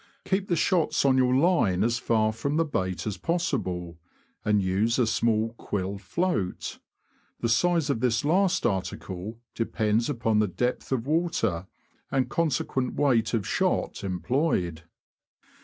Keep the shots on your line as far from THE FISH OF THE BROADS. 287 the bait as possible, and use a small quill float. The size of this last article depends upon the depth of water, and consequent weight of shot employed.